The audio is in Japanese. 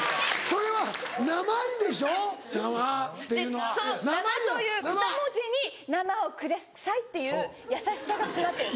その「生」という２文字に「生を下さい」っていう優しさが詰まってるんです。